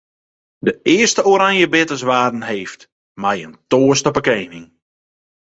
De earste oranjebitters waarden heefd mei in toast op 'e kening.